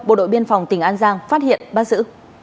bộ đội biên phòng tỉnh an giang phát hiện bắt giữ